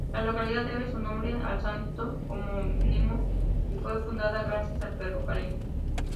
La localidad debe su nombre al santo homónimo y fue fundada gracias al ferrocarril..